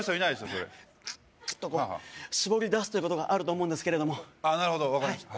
それグッグッとこうしぼり出すということがあると思うんですけれどもなるほど分かりました